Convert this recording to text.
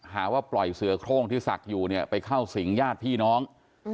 หาว่าปล่อยเสือโครงที่ศักดิ์อยู่เนี่ยไปเข้าสิงญาติพี่น้อง